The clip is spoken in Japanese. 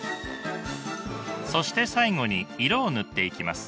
そして最後に色を塗っていきます。